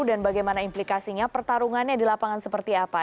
dan bagaimana implikasinya pertarungannya di lapangan seperti apa